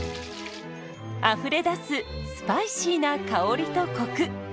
あふれ出すスパイシーな香りとコク。